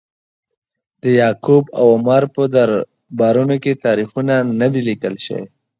د یعقوب او عمرو په دربارونو کې تاریخونه نه دي لیکل شوي.